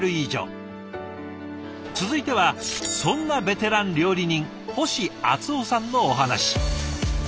続いてはそんなベテラン料理人星淳男さんのお話。